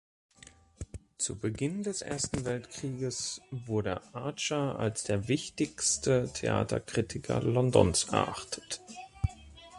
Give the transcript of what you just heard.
Zu Beginn des Ersten Weltkrieges wurde Archer als der wichtigste Theaterkritiker Londons erachtet.